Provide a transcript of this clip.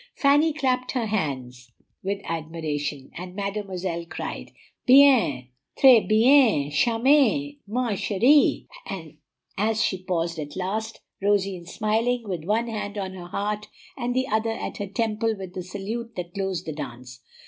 Fanny clapped her hands with admiration, and Mademoiselle cried, "Bien, tres bien, charmante, ma cherie!" as she paused at last, rosy and smiling, with one hand on her heart and the other at her temple with the salute that closed the dance.